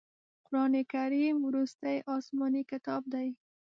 قرآن کریم وروستی اسمانې کتاب دی.